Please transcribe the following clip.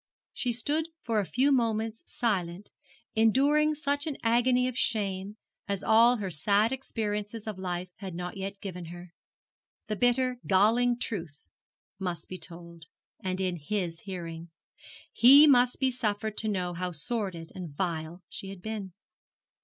She stood for a few moments silent, enduring such an agony of shame as all her sad experiences of life had not yet given her. The bitter, galling truth must be told and in his hearing. He must be suffered to know how sordid and vile she had been.